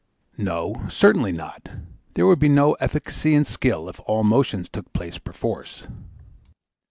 'No; certainly not. There would be no efficacy in skill if all motions took place perforce.'